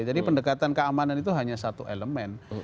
jadi pendekatan keamanan itu hanya satu elemen